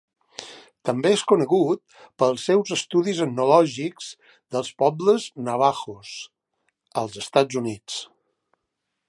També és conegut pels seus estudis etnològics dels pobles navahos, als Estats Units.